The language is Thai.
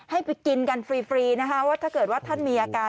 ให้ไปกินกันฟรีนะคะว่าถ้าเกิดว่าท่านมีอาการ